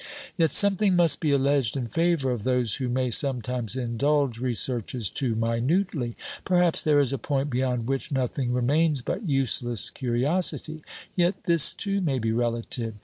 Yet something must be alleged in favour of those who may sometimes indulge researches too minutely; perhaps there is a point beyond which nothing remains but useless curiosity; yet this too may be relative.